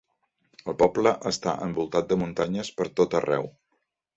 El poble està envoltat de muntanyes per tot arreu.